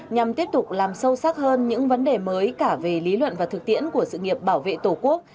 nhằm tiếp tục làm sâu sắc hơn những vấn đề mới cả về lý luận và thực tiễn của sự nghiệp bảo vệ tổ quốc